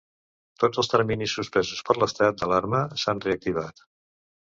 Tots els terminis suspesos per l'estat d'alarma s'han reactivat.